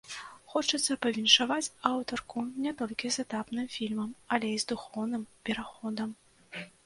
Хочацца павіншаваць аўтарку не толькі з этапным фільмам, але і з духоўным пераходам.